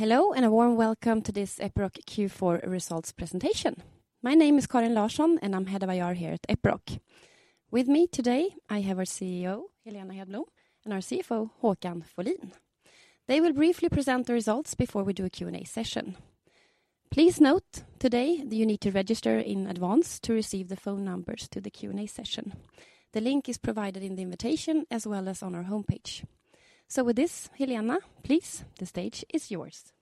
Hello, and a warm welcome to this Epiroc Q4 results presentation. My name is Karin Larsson, and I'm head of IR here at Epiroc. With me today, I have our CEO, Helena Hedblom, and our CFO, Håkan Folin. They will briefly present the results before we do a Q&A session. Please note today that you need to register in advance to receive the phone numbers to the Q&A session. The link is provided in the invitation as well as on our homepage. With this, Helena, please, the stage is yours.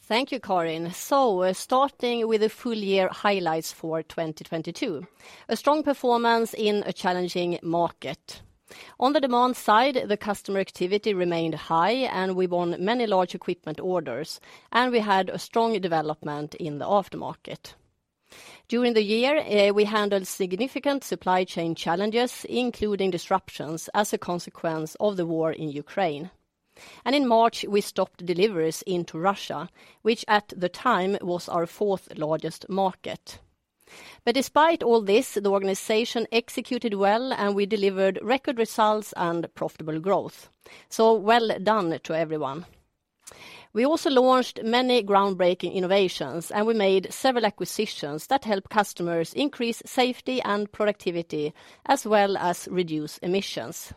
Thank you, Karin. Starting with the full year highlights for 2022. A strong performance in a challenging market. On the demand side, the customer activity remained high, and we won many large equipment orders, and we had a strong development in the aftermarket. During the year, we handled significant supply chain challenges, including disruptions as a consequence of the war in Ukraine. In March, we stopped deliveries into Russia, which at the time was our fourth largest market. Despite all this, the organization executed well, and we delivered record results and profitable growth. Well done to everyone. We also launched many groundbreaking innovations, and we made several acquisitions that help customers increase safety and productivity, as well as reduce emissions.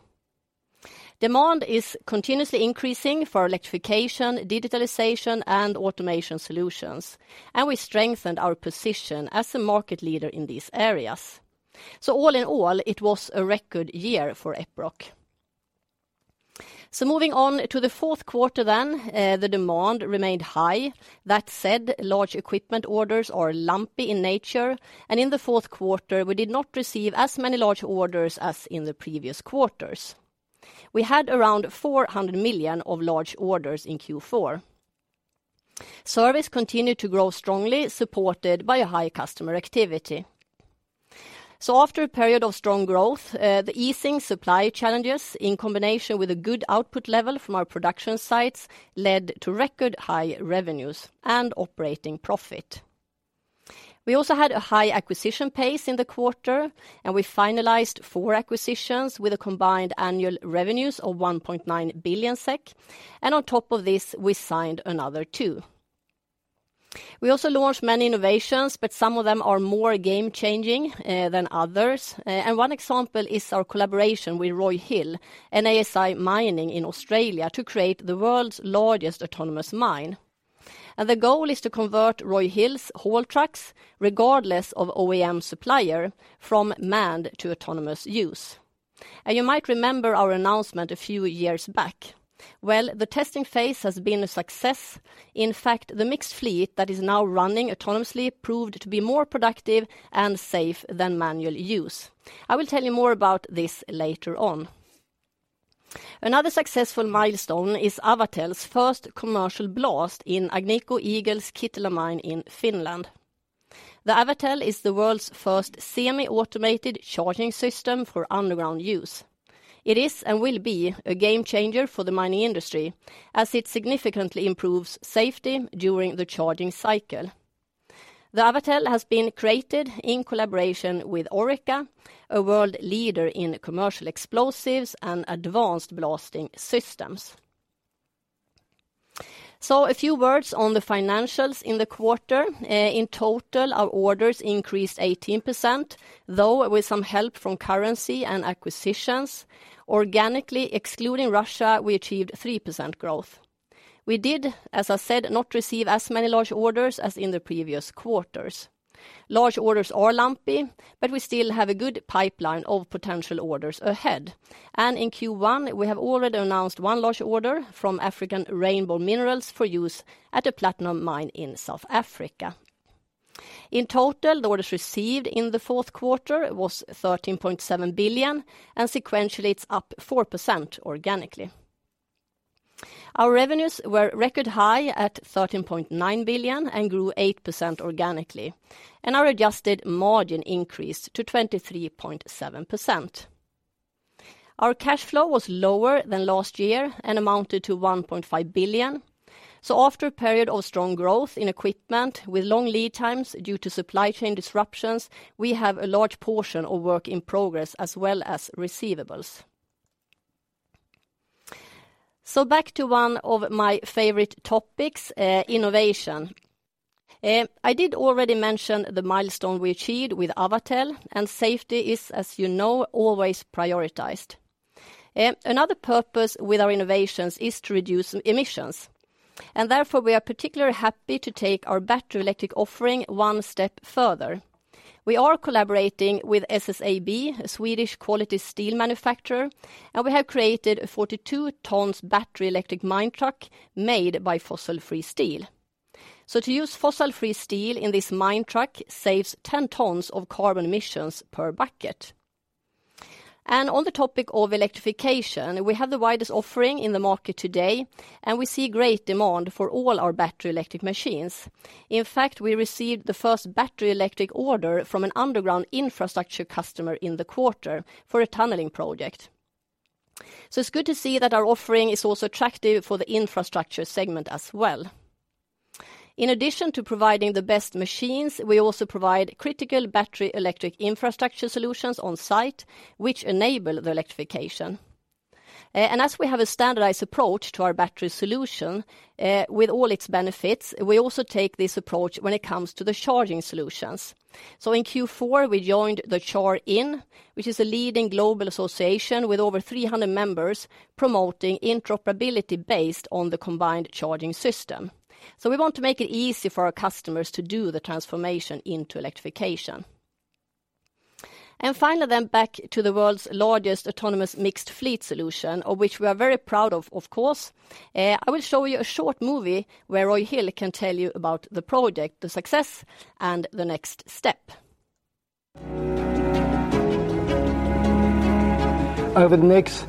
Demand is continuously increasing for electrification, digitalization, and automation solutions, and we strengthened our position as a market leader in these areas. All in all, it was a record year for Epiroc. Moving on to the fourth quarter, the demand remained high. That said, large equipment orders are lumpy in nature, and in the fourth quarter, we did not receive as many large orders as in the previous quarters. We had around 400 million of large orders in Q4. Service continued to grow strongly, supported by a high customer activity. After a period of strong growth, the easing supply challenges in combination with a good output level from our production sites led to record high revenues and operating profit. We also had a high acquisition pace in the quarter, and we finalized four acquisitions with a combined annual revenues of 1.9 billion SEK. On top of this, we signed another two. We also launched many innovations, but some of them are more game changing than others. One example is our collaboration with Roy Hill and ASI Mining in Australia to create the world's largest autonomous mine. The goal is to convert Roy Hill's haul trucks, regardless of OEM supplier, from manned to autonomous use. You might remember our announcement a few years back. Well, the testing phase has been a success. In fact, the mixed fleet that is now running autonomously proved to be more productive and safe than manual use. I will tell you more about this later on. Another successful milestone is Avatel's first commercial blast in Agnico Eagle's Kittilä mine in Finland. The Avatel is the world's first semi-automated charging system for underground use. It is and will be a game changer for the mining industry, as it significantly improves safety during the charging cycle. The Avatel has been created in collaboration with Orica, a world leader in commercial explosives and advanced blasting systems. A few words on the financials in the quarter. In total, our orders increased 18%, though with some help from currency and acquisitions. Organically, excluding Russia, we achieved 3% growth. We did, as I said, not receive as many large orders as in the previous quarters. Large orders are lumpy, we still have a good pipeline of potential orders ahead. In Q1, we have already announced one large order from African Rainbow Minerals for use at a platinum mine in South Africa. In total, the orders received in the fourth quarter was 13.7 billion, sequentially it's up 4% organically. Our revenues were record high at 13.9 billion and grew 8% organically. Our adjusted margin increased to 23.7%. Our cash flow was lower than last year and amounted to 1.5 billion. After a period of strong growth in equipment with long lead times due to supply chain disruptions, we have a large portion of work in progress as well as receivables. Back to one of my favorite topics, innovation. I did already mention the milestone we achieved with Avatel. Safety is, as you know, always prioritized. Another purpose with our innovations is to reduce emissions. Therefore, we are particularly happy to take our battery electric offering one step further. We are collaborating with SSAB, a Swedish quality steel manufacturer. We have created a 42 tons battery electric mine truck made by fossil-free steel. To use fossil-free steel in this mine truck saves 10 tons of carbon emissions per bucket. On the topic of electrification, we have the widest offering in the market today, and we see great demand for all our battery electric machines. In fact, we received the first battery electric order from an underground infrastructure customer in the quarter for a tunneling project. It's good to see that our offering is also attractive for the infrastructure segment as well. In addition to providing the best machines, we also provide critical battery electric infrastructure solutions on site which enable the electrification. And as we have a standardized approach to our battery solution, with all its benefits, we also take this approach when it comes to the charging solutions. In Q4, we joined the CharIN, which is a leading global association with over 300 members promoting interoperability based on the combined charging system. We want to make it easy for our customers to do the transformation into electrification. Finally back to the world's largest autonomous mixed fleet solution, of which we are very proud of course. I will show you a short movie where Roy Hill can tell you about the project, the success, and the next step. Over the next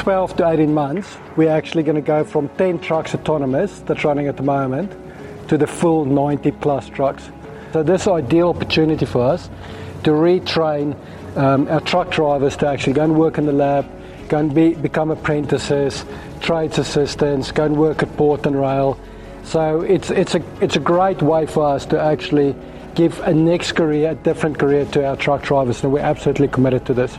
12 to 18 months, we're actually gonna go from 10 trucks autonomous that's running at the moment to the full 90-plus trucks. This ideal opportunity for us to retrain our truck drivers to actually go and work in the lab, go and become apprentices, trades assistants, go and work at port and rail. It's a great way for us to actually give a next career, different career to our truck drivers, and we're absolutely committed to this.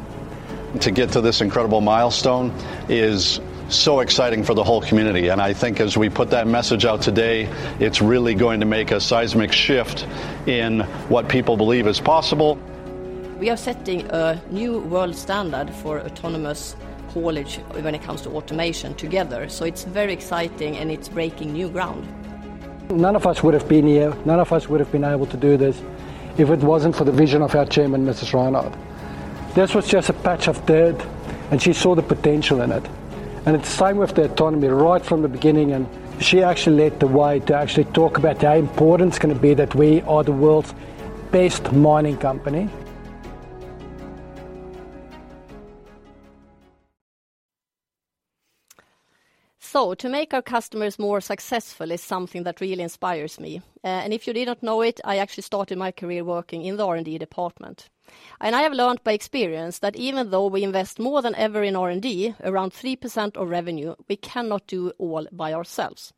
To get to this incredible milestone is so exciting for the whole community, and I think as we put that message out today, it's really going to make a seismic shift in what people believe is possible. We are setting a new world standard for autonomous haulage when it comes to automation together, so it's very exciting, and it's breaking new ground. None of us would have been here, none of us would have been able to do this if it wasn't for the vision of our Chairman, Ronnie Leten. This was just a patch of dirt, and she saw the potential in it. It's the same with the autonomy right from the beginning, and she actually led the way to actually talk about how important it's gonna be that we are the world's best mining company. To make our customers more successful is something that really inspires me. If you did not know it, I actually started my career working in the R&D department. I have learned by experience that even though we invest more than ever in R&D, around 3% of revenue, we cannot do it all by ourselves.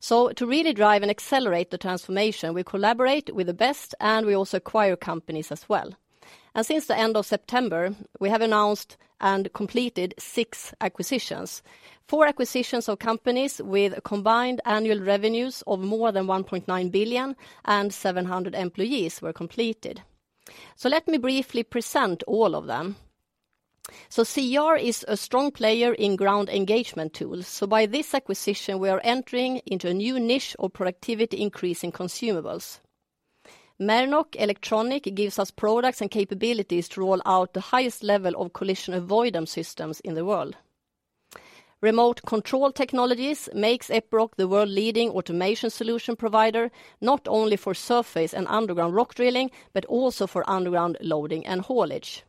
To really drive and accelerate the transformation, we collaborate with the best, and we also acquire companies as well. Since the end of September, we have announced and completed six acquisitions. Four acquisitions of companies with combined annual revenues of more than 1.9 billion and 700 employees were completed. Let me briefly present all of them. CR is a strong player in ground engagement tools. By this acquisition, we are entering into a new niche of productivity increase in consumables. Mernok Elektronik gives us products and capabilities to roll out the highest level of collision avoidance systems in the world. Remote Control Technologies makes Epiroc the world leading automation solution provider, not only for surface and underground rock drilling, but also for underground loading and haulage.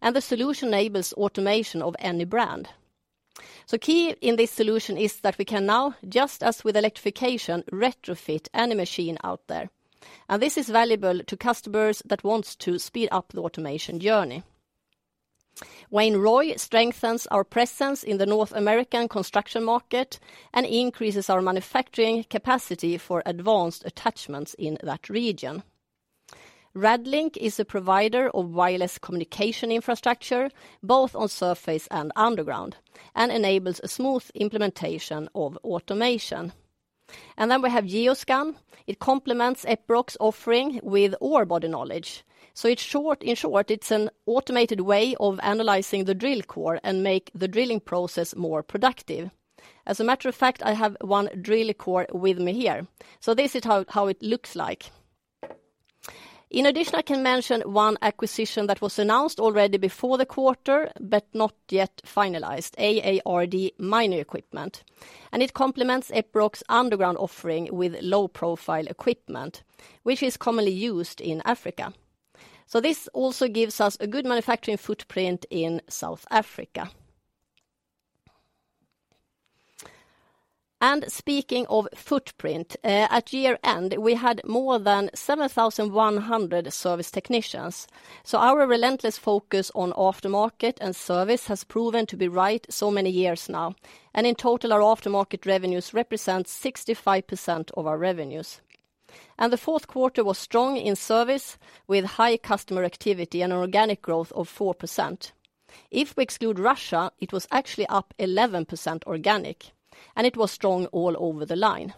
The solution enables automation of any brand. Key in this solution is that we can now, just as with electrification, retrofit any machine out there. This is valuable to customers that wants to speed up the automation journey. Wain-Roy strengthens our presence in the North American construction market and increases our manufacturing capacity for advanced attachments in that region. Radlink is a provider of wireless communication infrastructure both on surface and underground and enables a smooth implementation of automation. We have GeoScan. It complements Epiroc's offering with ore body knowledge. In short, it's an automated way of analyzing the drill core and make the drilling process more productive. As a matter of fact, I have one drill core with me here. This is how it looks like. In addition, I can mention one acquisition that was announced already before the quarter but not yet finalized, AARD Mining Equipment. It complements Epiroc's underground offering with low-profile equipment, which is commonly used in Africa. This also gives us a good manufacturing footprint in South Africa. Speaking of footprint, at year-end, we had more than 7,100 service technicians. Our relentless focus on aftermarket and service has proven to be right so many years now. In total, our aftermarket revenues represent 65% of our revenues. The fourth quarter was strong in service with high customer activity and organic growth of 4%. If we exclude Russia, it was actually up 11% organic, and it was strong all over the line.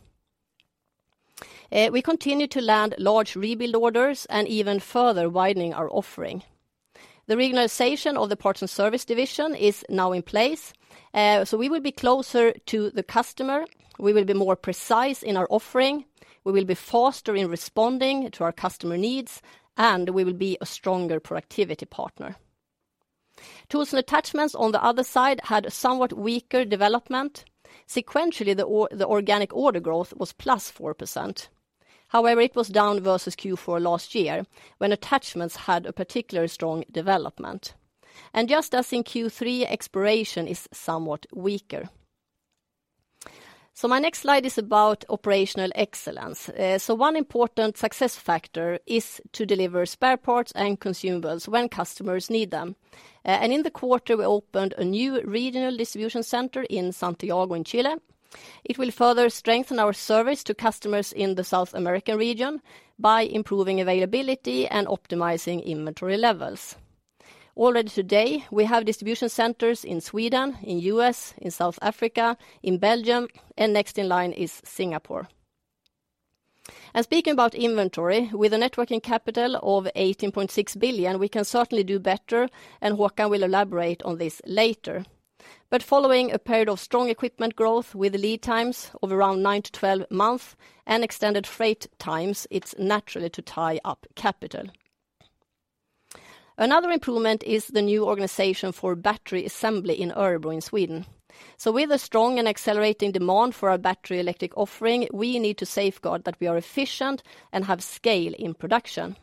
We continue to land large rebuild orders and even further widening our offering. The regionalization of the parts and service division is now in place, so we will be closer to the customer. We will be more precise in our offering. We will be faster in responding to our customer needs, and we will be a stronger productivity partner. Tools and attachments on the other side had somewhat weaker development. Sequentially, the organic order growth was +4%. However, it was down versus Q4 last year when attachments had a particularly strong development. Just as in Q3, exploration is somewhat weaker. My next slide is about operational excellence. One important success factor is to deliver spare parts and consumables when customers need them. In the quarter, we opened a new regional distribution center in Santiago in Chile. It will further strengthen our service to customers in the South American region by improving availability and optimizing inventory levels. Already today, we have distribution centers in Sweden, in U.S., in South Africa, in Belgium, and next in line is Singapore. Speaking about inventory, with a net working capital of 18.6 billion, we can certainly do better, and Håkan will elaborate on this later. Following a period of strong equipment growth with lead times of around nine-12 months and extended freight times, it's naturally to tie up capital. Another improvement is the new organization for battery assembly in Örebro in Sweden. With a strong and accelerating demand for our battery electric offering, we need to safeguard that we are efficient and have scale in production.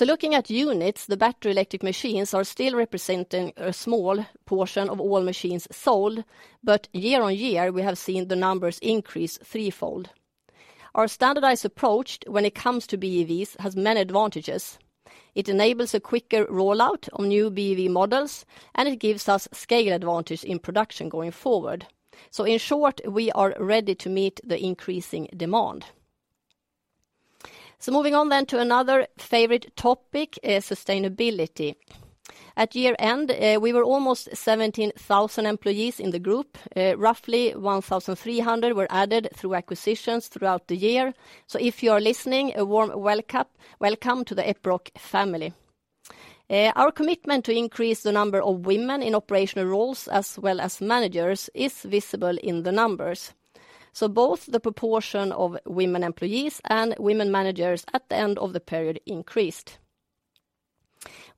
Looking at units, the battery electric machines are still representing a small portion of all machines sold, but year-over-year, we have seen the numbers increase threefold. Our standardized approach when it comes to BEVs has many advantages. It enables a quicker rollout of new BEVs models, and it gives us scale advantage in production going forward. In short, we are ready to meet the increasing demand. Moving on to another favorite topic, sustainability. At year-end, we were almost 17,000 employees in the group. Roughly 1,300 were added through acquisitions throughout the year. If you are listening, a warm welcome to the Epiroc family. Our commitment to increase the number of women in operational roles as well as managers is visible in the numbers. Both the proportion of women employees and women managers at the end of the period increased.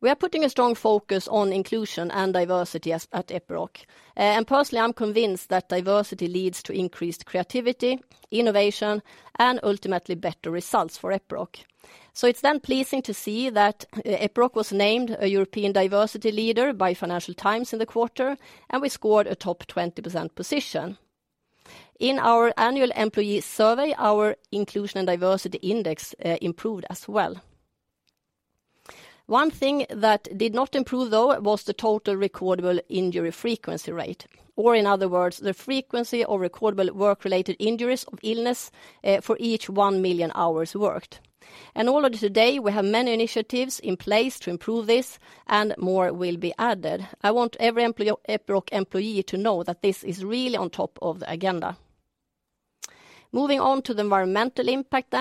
We are putting a strong focus on inclusion and diversity at Epiroc. And personally, I'm convinced that diversity leads to increased creativity, innovation, and ultimately better results for Epiroc. It's then pleasing to see that Epiroc was named a European diversity leader by Financial Times in the quarter, and we scored a top 20% position. In our annual employee survey, our inclusion and diversity index improved as well. One thing that did not improve, though, was the total recordable injury frequency rate, or in other words, the frequency of recordable work-related injuries of illness, for each one million hours worked. Already today, we have many initiatives in place to improve this, and more will be added. I want every Epiroc employee to know that this is really on top of the agenda. Moving on to the environmental impact.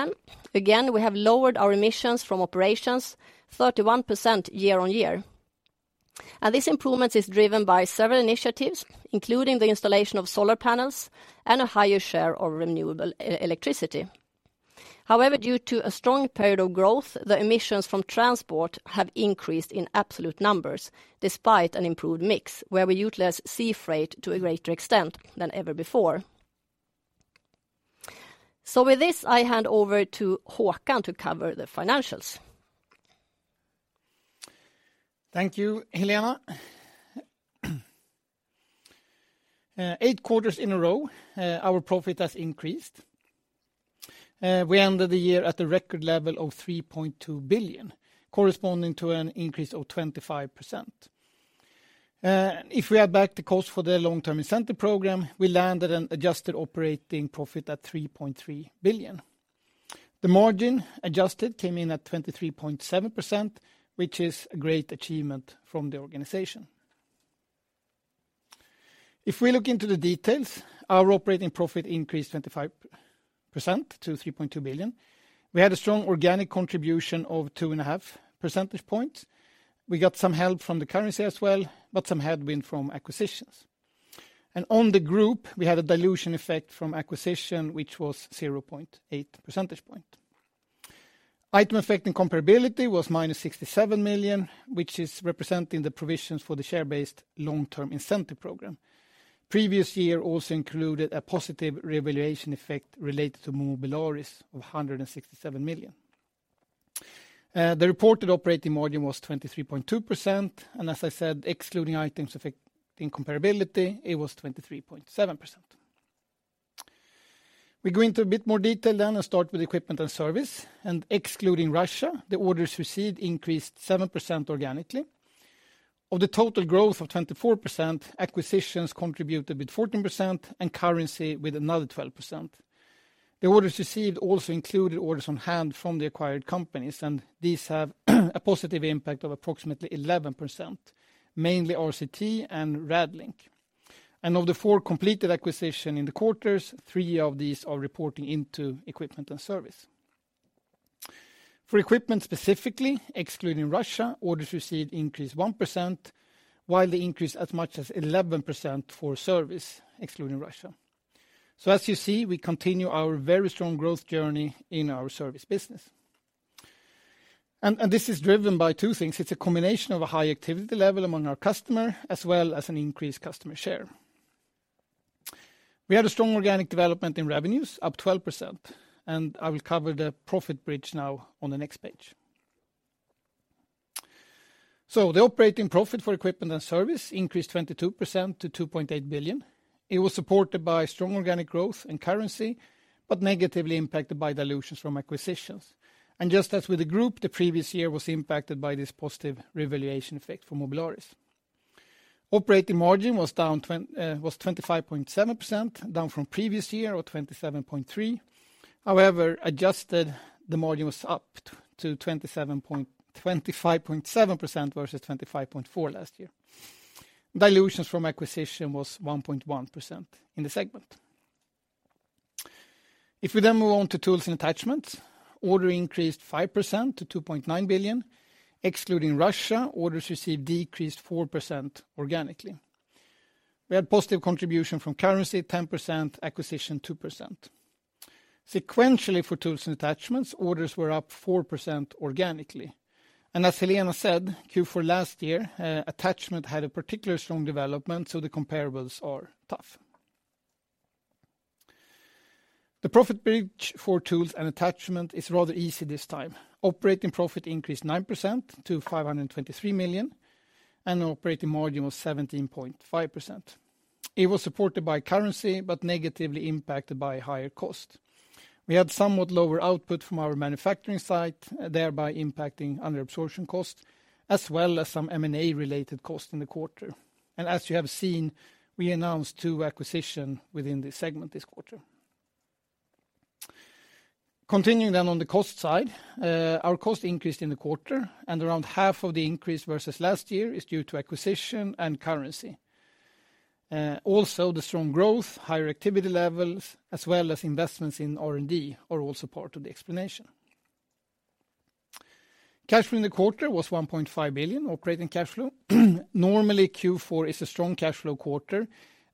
Again, we have lowered our emissions from operations 31% year-on-year. This improvement is driven by several initiatives, including the installation of solar panels and a higher share of renewable e-electricity. However, due to a strong period of growth, the emissions from transport have increased in absolute numbers despite an improved mix where we utilize sea freight to a greater extent than ever before. With this, I hand over to Håkan to cover the financials. Thank you, Helena. Eight quarters in a row, our profit has increased. We ended the year at the record level of 3.2 billion, corresponding to an increase of 25%. If we add back the cost for the long-term incentive program, we landed an adjusted operating profit at 3.3 billion. The margin adjusted came in at 23.7%, which is a great achievement from the organization. If we look into the details, our operating profit increased 25% to 3.2 billion. We had a strong organic contribution of 2.5 percentage points. We got some help from the currency as well, but some headwind from acquisitions. On the group, we had a dilution effect from acquisition, which was 0.8 percentage point. Item affecting comparability was -67 million, which is representing the provisions for the share-based long-term incentive program. Previous year also included a positive revaluation effect related to Mobilaris of 167 million. The reported operating margin was 23.2%, and as I said, excluding items affecting comparability, it was 23.7%. We go into a bit more detail then and start with equipment and service. Excluding Russia, the orders received increased 7% organically. Of the total growth of 24%, acquisitions contributed with 14% and currency with another 12%. The orders received also included orders on hand from the acquired companies, and these have a positive impact of approximately 11%, mainly RCT and Radlink. Of the four completed acquisition in the quarters, three of these are reporting into equipment and service. For equipment specifically, excluding Russia, orders received increased 1%, while they increased as much as 11% for service, excluding Russia. As you see, we continue our very strong growth journey in our service business. This is driven by two things. It's a combination of a high activity level among our customer, as well as an increased customer share. We had a strong organic development in revenues, up 12%, and I will cover the profit bridge now on the next page. The operating profit for equipment and service increased 22% to 2.8 billion. It was supported by strong organic growth and currency, but negatively impacted by dilutions from acquisitions. Just as with the group, the previous year was impacted by this positive revaluation effect for Mobilaris. Operating margin was 25.7%, down from previous year or 27.3%. However, adjusted the margin was up to 25.7% versus 25.4% last year. Dilutions from acquisition was 1.1% in the segment. If we move on to tools and attachments, order increased 5% to 2.9 billion. Excluding Russia, orders received decreased 4% organically. We had positive contribution from currency 10%, acquisition 2%. Sequentially for tools and attachments, orders were up 4% organically. As Helena said, Q4 last year, attachment had a particular strong development, so the comparables are tough. The profit bridge for tools and attachment is rather easy this time. Operating profit increased 9% to 523 million, and operating margin was 17.5%. It was supported by currency, but negatively impacted by higher cost. We had somewhat lower output from our manufacturing site, thereby impacting under absorption cost, as well as some M&A related cost in the quarter. As you have seen, we announced two acquisition within this segment this quarter. Continuing on the cost side, our cost increased in the quarter, and around half of the increase versus last year is due to acquisition and currency. Also, the strong growth, higher activity levels, as well as investments in R&D are all part of the explanation. Cash from the quarter was 1.5 billion operating cash flow. Normally, Q4 is a strong cash flow quarter,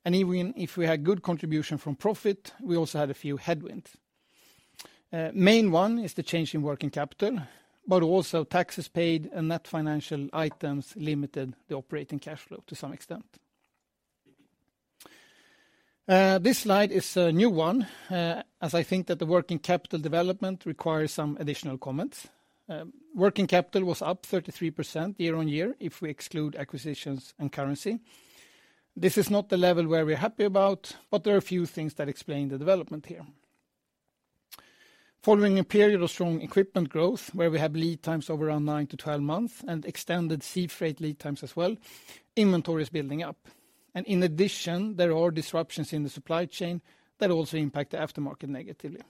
and even if we had good contribution from profit, we also had a few headwinds. Main one is the change in working capital, but also taxes paid and net financial items limited the operating cash flow to some extent. This slide is a new one, as I think that the working capital development requires some additional comments. Working capital was up 33% year-on-year if we exclude acquisitions and currency. This is not the level where we're happy about, but there are a few things that explain the development here. Following a period of strong equipment growth, where we have lead times over around 9-12 months and extended sea freight lead times as well, inventory is building up. In addition, there are disruptions in the supply chain that also impact the aftermarket negatively.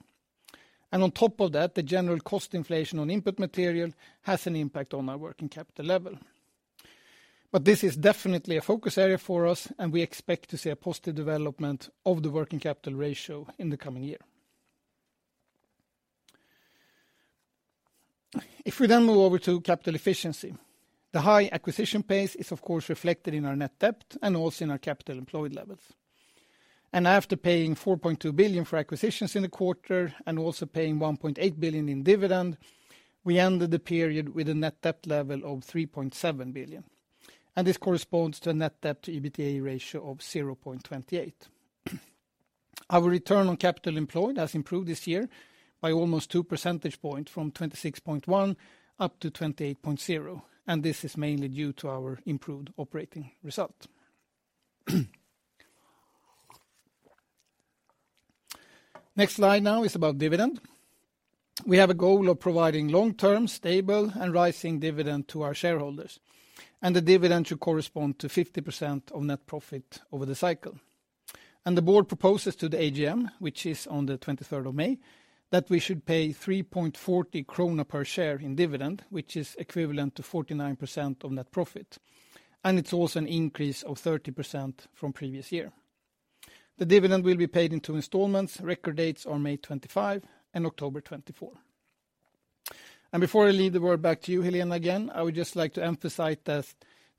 On top of that, the general cost inflation on input material has an impact on our working capital level. This is definitely a focus area for us, we expect to see a positive development of the working capital ratio in the coming year. If we move over to capital efficiency, the high acquisition pace is of course reflected in our net debt also in our capital employed levels. After paying 4.2 billion for acquisitions in the quarter also paying 1.8 billion in dividend, we ended the period with a net debt level of 3.7 billion. This corresponds to a net debt to EBITDA ratio of 0.28. Our return on capital employed has improved this year by almost two percentage point from 26.1 up to 28.0, this is mainly due to our improved operating result. Next slide now is about dividend. We have a goal of providing long-term, stable, and rising dividend to our shareholders. The dividend should correspond to 50% of net profit over the cycle. The board proposes to the AGM, which is on the 23rd of May, that we should pay 3.40 krona per share in dividend, which is equivalent to 49% of net profit. It's also an increase of 30% from previous year. The dividend will be paid in two installments. Record dates are May 25 and October 24. Before I leave the word back to you, Helena, again, I would just like to emphasize that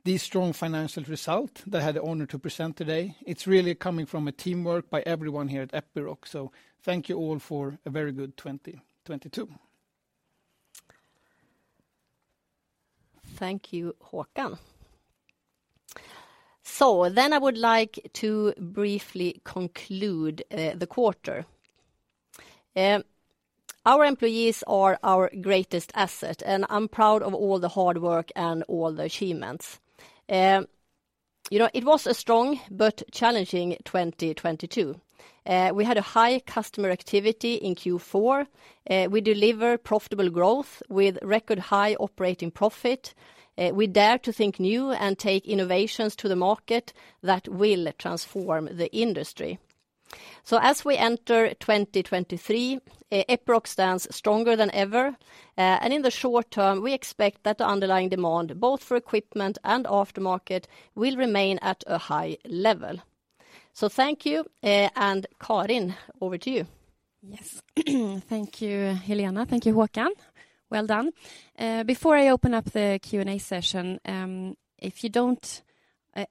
the strong financial result that I had the honor to present today, it's really coming from a teamwork by everyone here at Epiroc. Thank you all for a very good 2022. Thank you, Håkan. I would like to briefly conclude the quarter. Our employees are our greatest asset, and I'm proud of all the hard work and all the achievements. You know, it was a strong but challenging 2022. We had a high customer activity in Q4. We deliver profitable growth with record high operating profit. We dare to think new and take innovations to the market that will transform the industry. As we enter 2023, Epiroc stands stronger than ever. In the short term, we expect that the underlying demand, both for equipment and aftermarket, will remain at a high level. Thank you, Karin, over to you. Yes. Thank you, Helena. Thank you, Håkan. Well done. Before I open up the Q&A session, if you don't,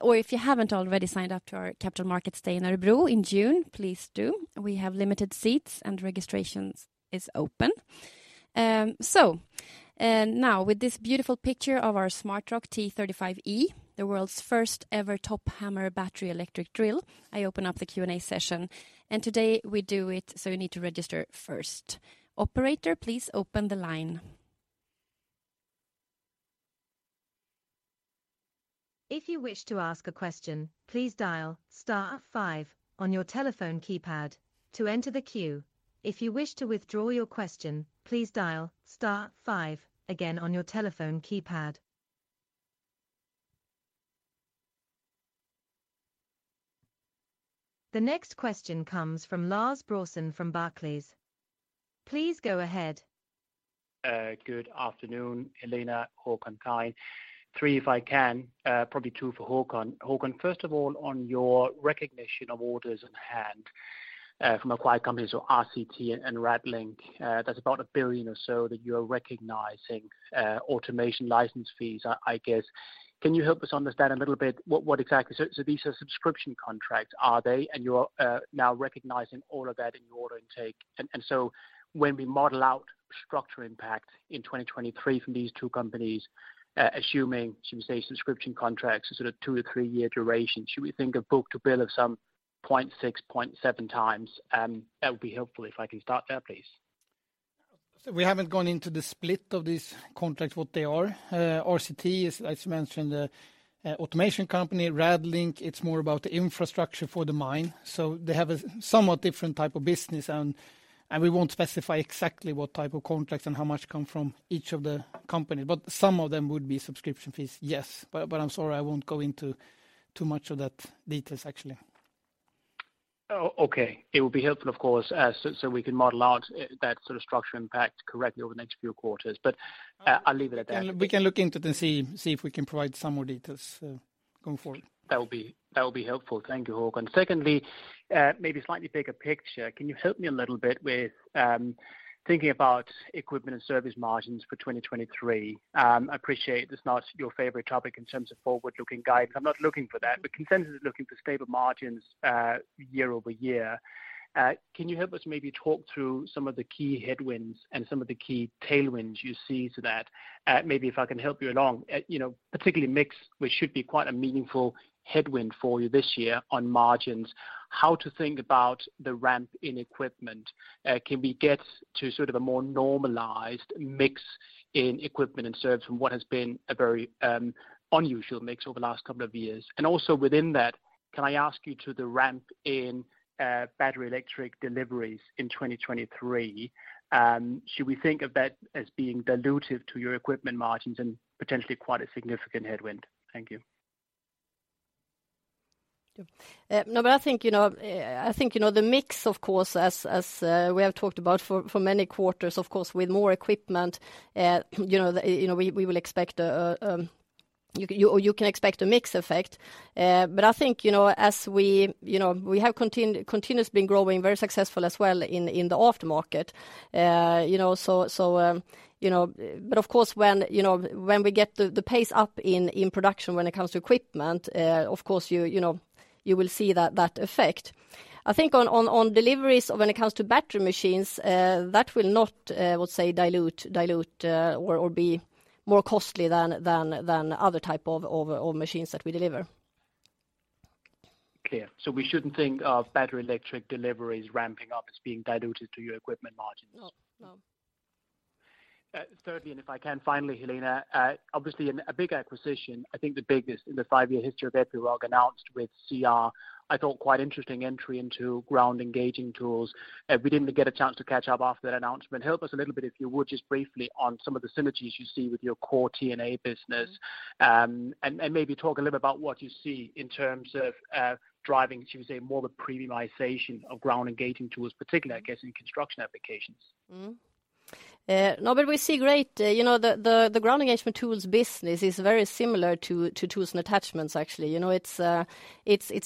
or if you haven't already signed up to our Capital Markets Day in Örebro in June, please do. We have limited seats, and registrations is open. Now with this beautiful picture of our SmartROC T35E, the world's first ever top hammer battery electric drill, I open up the Q&A session. Today we do it, so you need to register first. Operator, please open the line. If you wish to ask a question, please dial star five on your telephone keypad to enter the queue. If you wish to withdraw your question, please dial star five again on your telephone keypad. The next question comes from Lars Brorson from Barclays. Please go ahead. Good afternoon, Helena, Håkan, Karin. Three, if I can, probably two for Håkan. Håkan, first of all, on your recognition of orders on hand, from acquired companies or RCT and Radlink, that's about 1 billion or so that you are recognizing, automation license fees, I guess. Can you help us understand a little bit what exactly... These are subscription contracts, are they? You are now recognizing all of that in your order intake. When we model out structure impact in 2023 from these two companies, assuming, should we say, subscription contracts are sort of two-three year duration, should we think of book to bill of some 0.6-0.7 times? That would be helpful if I can start there, please. We haven't gone into the split of these contracts, what they are. RCT is, as mentioned, a automation company. Radlink, it's more about the infrastructure for the mine. They have a somewhat different type of business and we won't specify exactly what type of contracts and how much come from each of the company. Some of them would be subscription fees, yes. I'm sorry, I won't go into too much of that details, actually. Oh, okay. It would be helpful, of course, so we can model out, that sort of structure impact correctly over the next few quarters. I'll leave it at that. We can look into it and see if we can provide some more details going forward. That would be helpful. Thank you, Håkan. Secondly, maybe slightly bigger picture. Can you help me a little bit with thinking about equipment and service margins for 2023? Appreciate it's not your favorite topic in terms of forward-looking guidance. I'm not looking for that. Consensus is looking for stable margins, year-over-year. Can you help us maybe talk through some of the key headwinds and some of the key tailwinds you see to that? Maybe if I can help you along, you know, particularly mix, which should be quite a meaningful headwind for you this year on margins, how to think about the ramp in equipment. Can we get to sort of a more normalized mix in equipment and service from what has been a very unusual mix over the last couple of years? Also within that, can I ask you to the ramp in battery electric deliveries in 2023? Should we think of that as being dilutive to your equipment margins and potentially quite a significant headwind? Thank you. No, I think, you know, I think, you know, the mix of course, as, we have talked about for many quarters, of course, with more equipment, you know, the, you know, we will expect, you, or you can expect a mix effect. I think, you know, as we, you know, we have continuously been growing very successful as well in the aftermarket. You know, so, you know. Of course, when, you know, when we get the pace up in production when it comes to equipment, of course you know, you will see that effect. I think on deliveries or when it comes to battery machines, that will not, I would say dilute, or be more costly than other type of machines that we deliver. Clear. We shouldn't think of battery electric deliveries ramping up as being diluted to your equipment margins? No. No. Thirdly, if I can finally, Helena, obviously a big acquisition, I think the biggest in the five-year history of Epiroc announced with CR. I thought quite interesting entry into ground engaging tools. We didn't get a chance to catch up after that announcement. Help us a little bit, if you would, just briefly on some of the synergies you see with your core T&A business. Maybe talk a little about what you see in terms of, driving, should we say, more the premiumization of ground engaging tools, particularly I guess in construction applications. No, we see great... You know, the ground engagement tools business is very similar to tools and attachments actually. You know, it's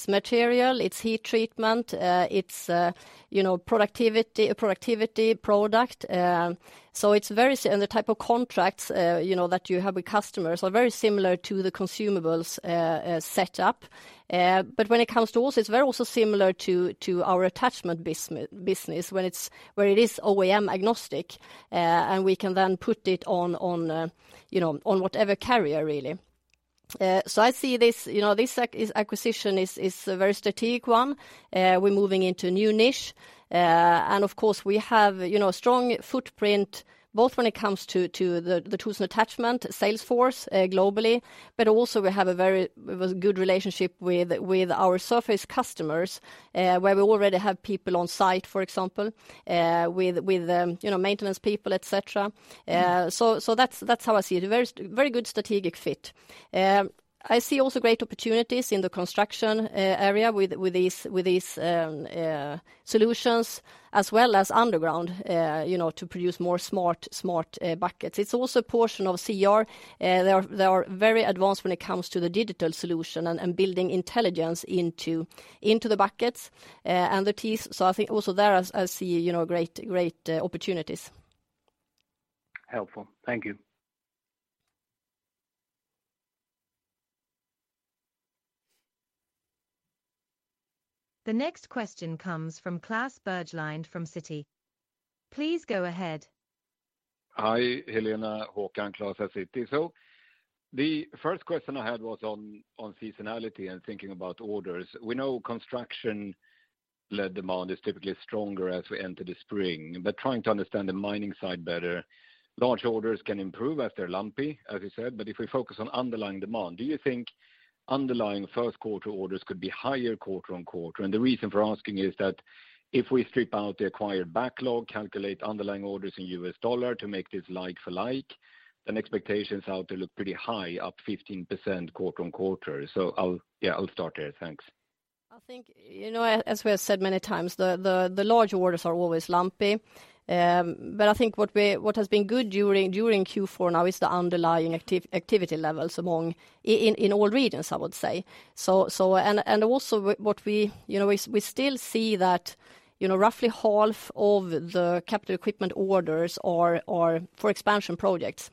material, it's heat treatment, it's, you know, productivity, a productivity product. It's very... The type of contracts, you know, that you have with customers are very similar to the consumables set up. When it comes to tools, it's very also similar to our attachment business where it is OEM agnostic, and we can then put it on, you know, on whatever carrier really. I see this, you know, this acquisition is a very strategic one. We're moving into a new niche. Of course we have, you know, strong footprint both when it comes to the tools and attachment sales force, globally, but also we have a very good relationship with our surface customers, where we already have people on site, for example, with, you know, maintenance people, etc.. That's, that's how I see it. A very good strategic fit. I see also great opportunities in the construction area with these, with these, solutions as well as underground, you know, to produce more smart buckets. It's also a portion of CR. They are very advanced when it comes to the digital solution and building intelligence into the buckets, and the teeth.I think also there I see, you know, great opportunities. Helpful. Thank you. The next question comes from Klas Bergeling from Citi. Please go ahead. Hi, Helena, Håkan. Klas at Citi. The first question I had was on seasonality and thinking about orders. We know construction-led demand is typically stronger as we enter the spring. Trying to understand the mining side better, large orders can improve as they're lumpy, as you said. If we focus on underlying demand, do you think underlying first quarter orders could be higher quarter-on-quarter? The reason for asking is that if we strip out the acquired backlog, calculate underlying orders in U.S dollar to make this like for like, then expectations out there look pretty high, up 15% quarter-on-quarter. I'll start there. Thanks. I think, you know, as we have said many times, the large orders are always lumpy. I think what has been good during Q4 now is the underlying activity levels among in all regions, I would say. Also what we, you know, is we still see that, you know, roughly half of the capital equipment orders are for expansion projects.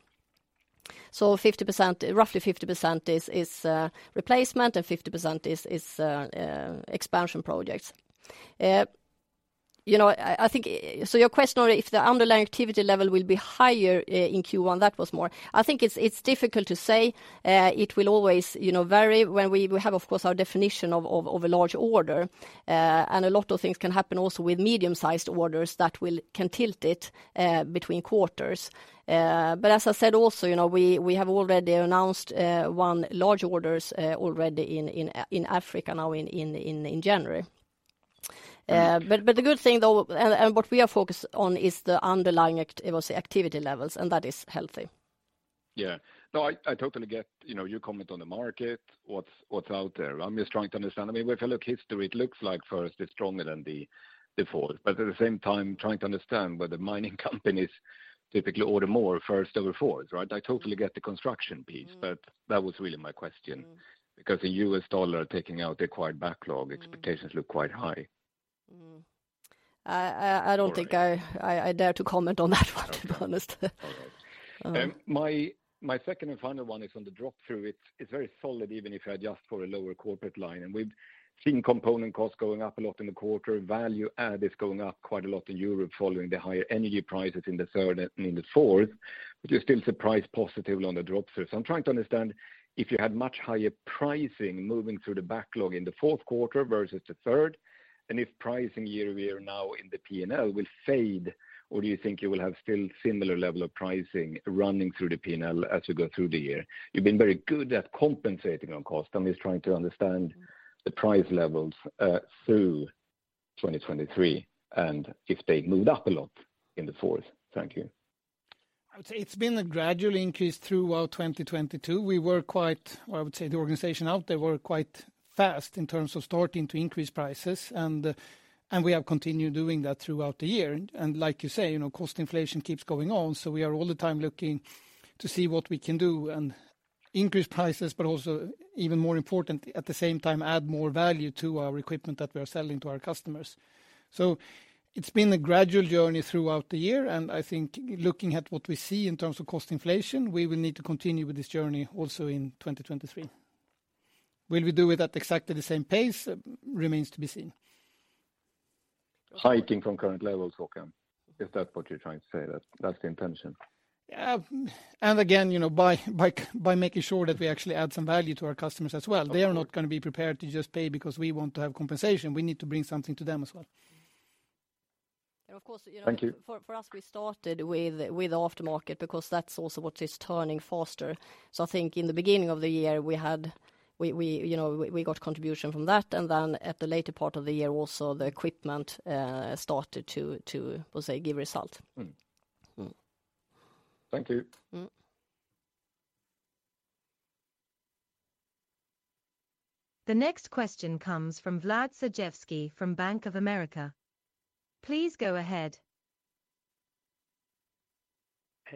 50%, roughly 50% is replacement and 50% is expansion projects. Your question on if the underlying activity level will be higher in Q1, that was more. I think it's difficult to say. It will always, you know, vary. When we have, of course, our definition of a large order, and a lot of things can happen also with medium-sized orders that can tilt it between quarters. As I said also, you know, we have already announced one large orders already in Africa now in January. The good thing, though, and what we are focused on is the underlying activity levels, and that is healthy. I totally get, you know, your comment on the market, what's out there. I'm just trying to understand. I mean, if I look history, it looks like first is stronger than the fourth. At the same time, trying to understand whether mining companies typically order more first over fourth, right? I totally get the construction piece, but that was really my question. Mm-hmm. The U.S. dollar taking out the acquired backlog expectations look quite high. Mm-hmm. I don't think I dare to comment on that one, to be honest. All right. My second and final one is on the drop through. It's very solid, even if I adjust for a lower corporate line. We've seen component costs going up a lot in the quarter. Value add is going up quite a lot in Europe, following the higher energy prices in the third and in the fourth. You're still price positive on the drop through. I'm trying to understand if you had much higher pricing moving through the backlog in the fourth quarter versus the third, and if pricing year-over-year now in the P&L will fade, or do you think you will have still similar level of pricing running through the P&L as you go through the year? You've been very good at compensating on cost. I'm just trying to understand the price levels, through 2023 and if they moved up a lot in the fourth. Thank you. I would say it's been a gradual increase throughout 2022. I would say the organization out there were quite fast in terms of starting to increase prices, and we have continued doing that throughout the year. Like you say, you know, cost inflation keeps going on, so we are all the time looking to see what we can do and increase prices, but also even more important, at the same time, add more value to our equipment that we are selling to our customers. It's been a gradual journey throughout the year, and I think looking at what we see in terms of cost inflation, we will need to continue with this journey also in 2023. Will we do it at exactly the same pace? Remains to be seen. Hiking from current levels, Håkan, if that's what you're trying to say, that's the intention? Again, you know, by making sure that we actually add some value to our customers as well. They are not gonna be prepared to just pay because we want to have compensation. We need to bring something to them as well. Of course, you know. Thank you. For us, we started with aftermarket because that's also what is turning faster. I think in the beginning of the year, we, you know, we got contribution from that, and then at the later part of the year also, the equipment started to, [inaudible] give result. Mm-hmm. Mm-hmm. Thank you. Mm-hmm. The next question comes from Vladimir Sergievskiy from Bank of America. Please go ahead.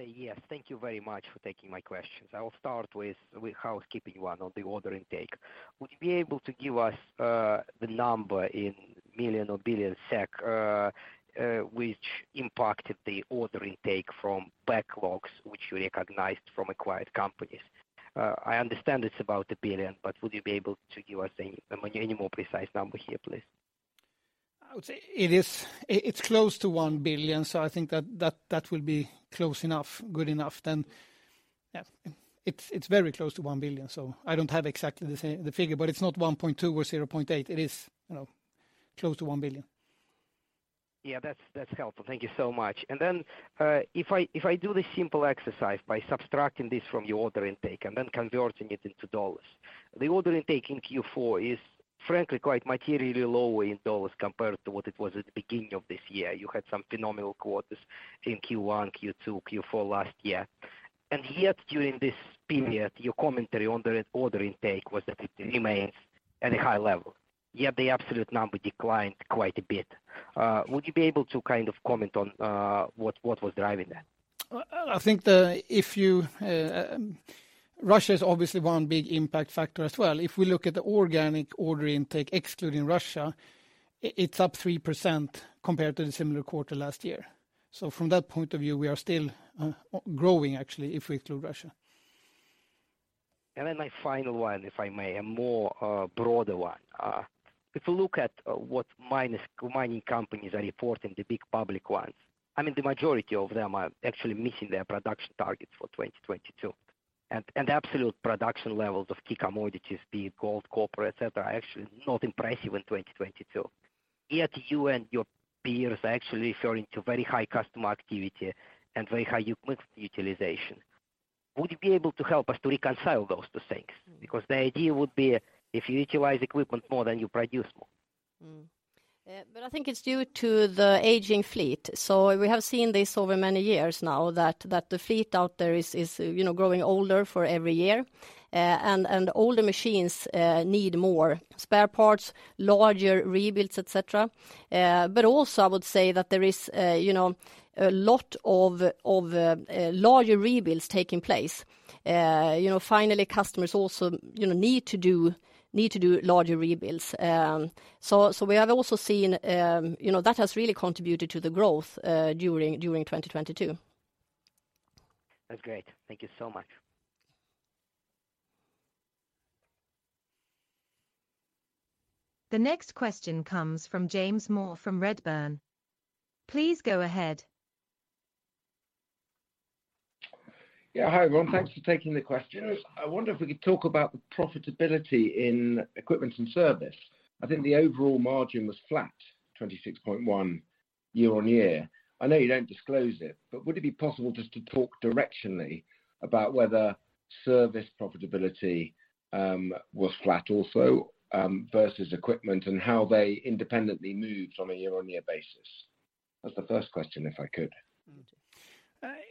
Yes. Thank you very much for taking my questions. I will start with housekeeping one on the order intake. Would you be able to give us the number in million or billion SEK which impacted the order intake from backlogs which you recognized from acquired companies? I understand it's about 1 billion, but would you be able to give us any more precise number here, please? I would say it is, it's close to 1 billion. I think that will be close enough, good enough then. Yeah. It's very close to 1 billion. I don't have exactly the same figure, but it's not 1.2 billion or 0.8 billion. It is, you know, close to 1 billion. Yeah. That's helpful. Thank you so much. If I do the simple exercise by subtracting this from your order intake and then converting it into dollars, the order intake in Q4 is frankly quite materially lower in dollars compared to what it was at the beginning of this year. You had some phenomenal quarters in Q1, Q2, Q4 last year. During this period, your commentary on the order intake was that it remains at a high level, yet the absolute number declined quite a bit. Would you be able to kind of comment on what was driving that? I think if you Russia is obviously one big impact factor as well. If we look at the organic order intake excluding Russia, it's up 3% compared to the similar quarter last year. From that point of view, we are still growing actually, if we exclude Russia. My final one, if I may, a more, broader one. If you look at, what miners, mining companies are reporting, the big public ones, I mean, the majority of them are actually missing their production targets for 2022. Absolute production levels of key commodities, be it gold, copper, etc., are actually not impressive in 2022. Yet you and your peers are actually referring to very high customer activity and very high equipment utilization. Would you be able to help us to reconcile those two things? Because the idea would be if you utilize equipment more, then you produce more. I think it's due to the aging fleet. We have seen this over many years now that the fleet out there is, you know, growing older for every year. Older machines need more spare parts, larger rebuilds, et cetera. Also I would say that there is, you know, a lot of larger rebuilds taking place. You know, finally customers also, you know, need to do larger rebuilds. We have also seen, you know, that has really contributed to the growth during 2022. That's great. Thank you so much. The next question comes from James Moore from Redburn. Please go ahead. Yeah. Hi, everyone. Thanks for taking the question. I wonder if we could talk about the profitability in equipment's and service. I think the overall margin was flat, 26.1% year-on-year. I know you don't disclose it, but would it be possible just to talk directionally about whether service profitability was flat also versus equipment, and how they independently moved from a year-on-year basis? That's the first question, if I could.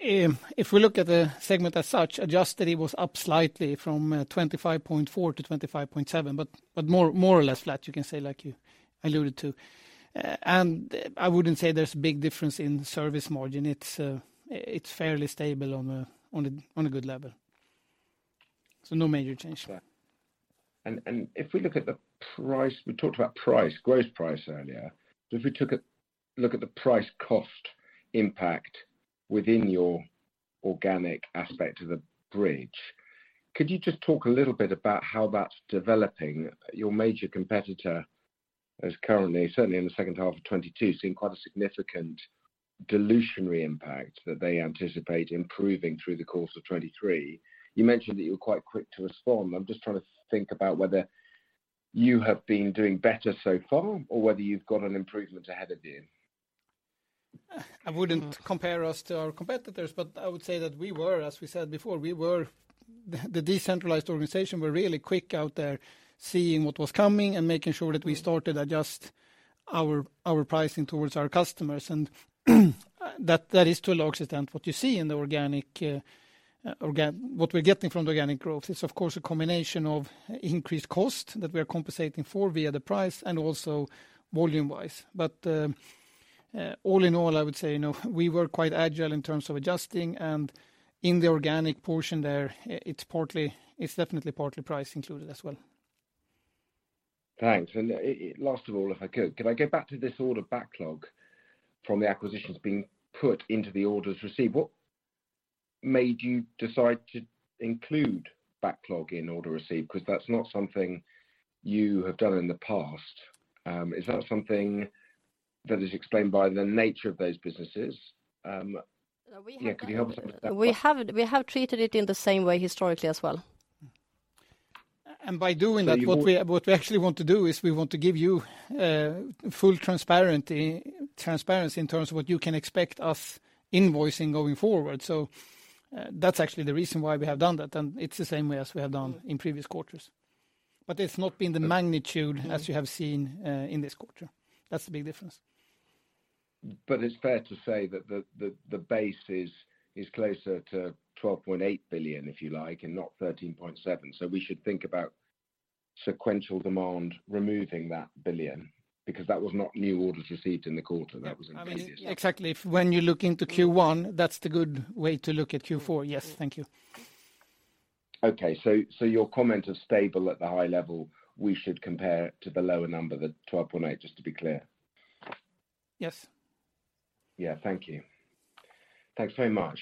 If we look at the segment as such, adjusted, it was up slightly from 25.4% to 25.7%, but more or less flat, you can say, like you alluded to. I wouldn't say there's a big difference in service margin. It's fairly stable on a good level. No major change there. If we look at the price, we talked about price, gross price earlier. If we took a look at the price cost impact within your organic aspect of the bridge, could you just talk a little bit about how that's developing? Your major competitor is currently, certainly in the second half of 2022, seeing quite a significant dilutionary impact that they anticipate improving through the course of 2023. You mentioned that you're quite quick to respond. I'm just trying to think about whether you have been doing better so far or whether you've got an improvement ahead of you. I wouldn't compare us to our competitors, but I would say that we were, as we said before, we were the decentralized organization, we're really quick out there seeing what was coming and making sure that we started adjust our pricing towards our customers. That is to a large extent what you see in the organic, what we're getting from the organic growth is of course a combination of increased cost that we are compensating for via the price and also volume-wise. All in all, I would say, you know, we were quite agile in terms of adjusting and in the organic portion there, it's partly, it's definitely partly price included as well. Thanks. Last of all, if I could, can I go back to this order backlog from the acquisitions being put into the orders received? What made you decide to include backlog in order received? That's not something you have done in the past. Is that something that is explained by the nature of those businesses? No, we have. Yeah, could you help us with that? We have treated it in the same way historically as well. By doing that, what we actually want to do is we want to give you full transparency in terms of what you can expect us invoicing going forward. That's actually the reason why we have done that, and it's the same way as we have done in previous quarters. It's not been the magnitude as you have seen in this quarter. That's the big difference. It's fair to say that the base is closer to 12.8 billion, if you like, and not 13.7 billion. We should think about sequential demand removing that billion, because that was not new orders received in the quarter. That was in I mean, exactly. If when you look into Q1, that's the good way to look at Q4. Yes. Thank you. Okay. Your comment is stable at the high level, we should compare to the lower number, the 12.8, just to be clear? Yes. Yeah. Thank you. Thanks very much.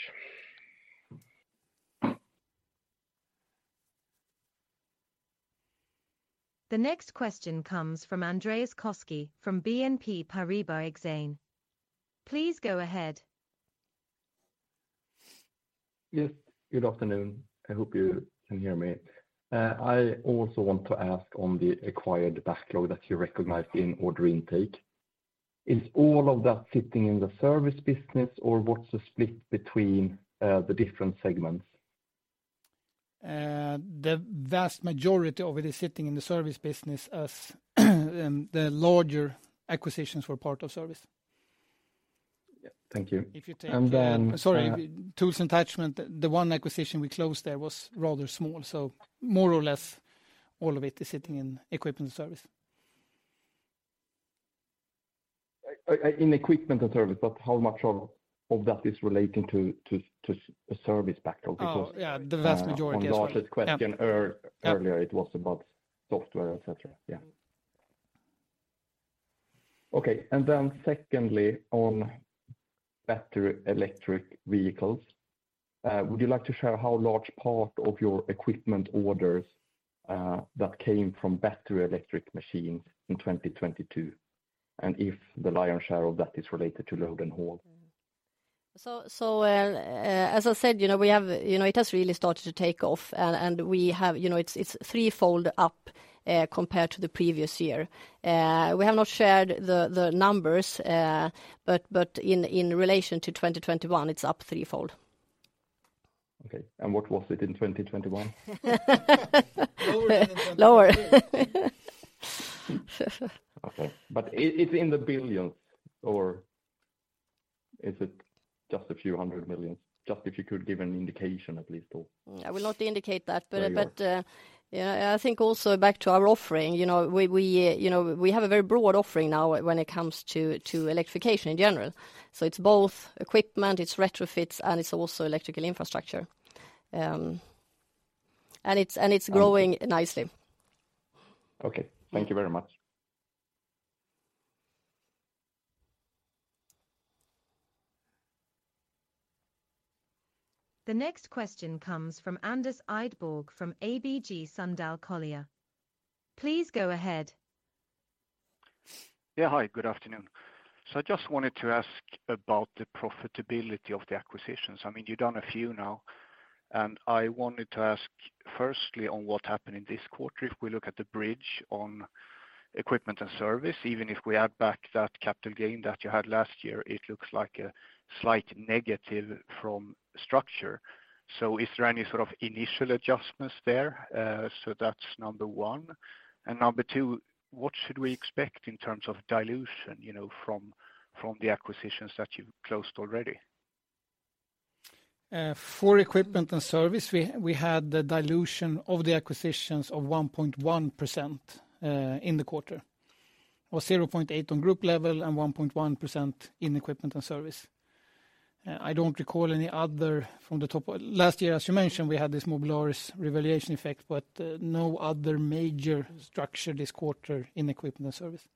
The next question comes from Andreas Koski from BNP Paribas Exane. Please go ahead. Yes, good afternoon. I hope you can hear me. I also want to ask on the acquired backlog that you recognized in order intake. Is all of that sitting in the service business, or what's the split between the different segments? The vast majority of it is sitting in the service business as the larger acquisitions were part of service. Yeah. Thank you. If you take the- And then- Sorry. Tools and attachment, the one acquisition we closed there was rather small. More or less all of it is sitting in equipment service. In equipment and service, but how much of that is relating to service backlog? Oh, yeah, the vast majority is relating. On Lars' question. Yeah... earlier, it was about software, et cetera. Yeah. Okay. Secondly, on battery electric vehicles, would you like to share how large part of your equipment orders, that came from battery electric machines in 2022? If the lion's share of that is related to load and haul. As I said, you know, we have, you know, it has really started to take off and we have, you know, it's threefold up, compared to the previous year. We have not shared the numbers, but in relation to 2021, it's up threefold. Okay. What was it in 2021? Lower than 2022. Lower. Okay. It's in the billions, or is it just a few hundred million? Just if you could give an indication, at least. I will not indicate that. Very well. Yeah, I think also back to our offering, you know, we, you know, we have a very broad offering now when it comes to electrification in general. It's both equipment, it's retrofits, and it's also electrical infrastructure. It's growing nicely. Okay. Thank you very much. The next question comes from Anders Idborg from ABG Sundal Collier. Please go ahead. Yeah, hi. Good afternoon. I just wanted to ask about the profitability of the acquisitions. I mean, you've done a few now, and I wanted to ask firstly on what happened in this quarter. If we look at the bridge on equipment and service, even if we add back that capital gain that you had last year, it looks like a slight negative from structure. Is there any sort of initial adjustments there? That's number one. Number two, what should we expect in terms of dilution, you know, from the acquisitions that you've closed already? For equipment and service, we had the dilution of the acquisitions of 1.1% in the quarter, or 0.8% on group level and 1.1% in equipment and service. I don't recall any other from the top of. Last year, as you mentioned, we had this Mobilaris revaluation effect, but no other major structure this quarter in equipment and service.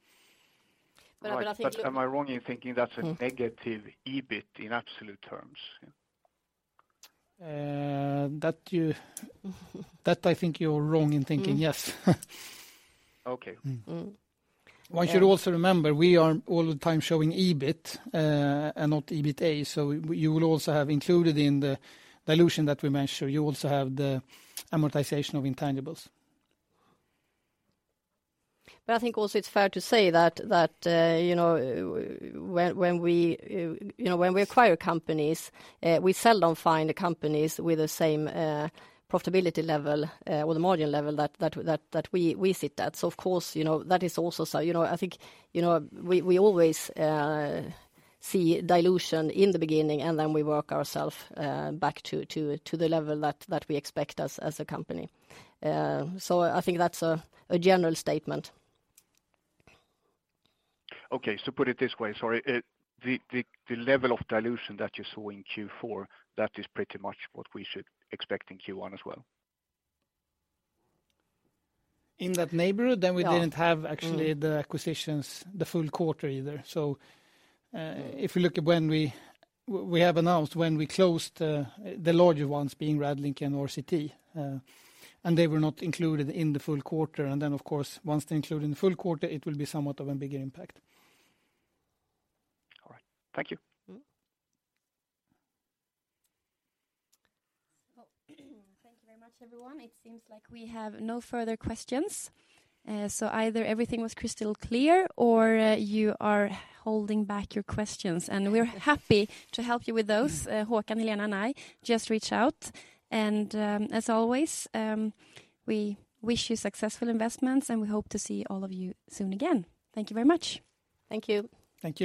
I think. Right. Am I wrong in thinking that's a negative EBIT in absolute terms? That I think you're wrong in thinking, yes. Okay. One should also remember, we are all the time showing EBIT, and not EBITA. You will also have included in the dilution that we mentioned, you also have the amortization of intangibles. I think also it's fair to say that, you know, when we, you know, when we acquire companies, we seldom find the companies with the same profitability level, or the margin level that we sit at. Of course, you know, that is also so. You know, I think, we always see dilution in the beginning, and then we work ourself back to the level that we expect as a company. I think that's a general statement. Okay. Put it this way, sorry. The level of dilution that you saw in Q4, that is pretty much what we should expect in Q1 as well. In that neighborhood. Yeah. We didn't have actually the acquisitions the full quarter either. If you look at when we have announced when we closed the larger ones being Radlink and RCT, and they were not included in the full quarter. Of course, once they include in the full quarter, it will be somewhat of a bigger impact. All right. Thank you. Thank you very much, everyone. It seems like we have no further questions. Either everything was crystal clear or you are holding back your questions, and we're happy to help you with those. Håkan, Helena, and I, just reach out. As always, we wish you successful investments, and we hope to see all of you soon again. Thank you very much. Thank you. Thank you.